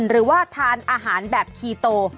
หรือว่าทานอาหารแบบคีโต